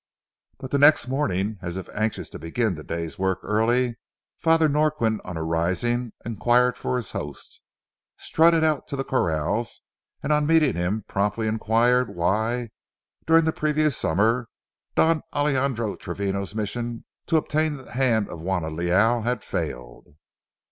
But the next morning, as if anxious to begin the day's work early, Father Norquin, on arising, inquired for his host, strutted out to the corrals, and, on meeting him, promptly inquired why, during the previous summer, Don Alejandro Travino's mission to obtain the hand of Juana Leal had failed.